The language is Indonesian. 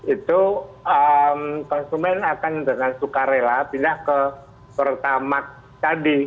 itu konsumen akan dengan suka rela pindah ke pertamak tadi